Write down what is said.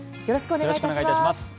よろしくお願いします。